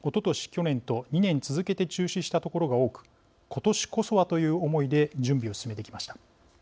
去年と２年続けて中止したところが多く今年こそはという思いで準備を進めてきました。